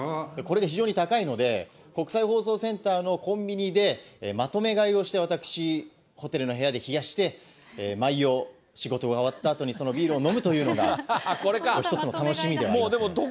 これが非常に高いので、国際放送センターのコンビニでまとめ買いをして、私、ホテルの部屋で冷やして、毎夜、仕事が終わったあとにそのビールを飲むというのが、一つの楽しみであります。